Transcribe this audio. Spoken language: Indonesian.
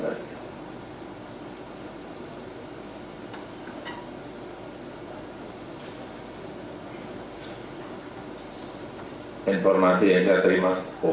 jadi kita harus memiliki kesempatan untuk melakukan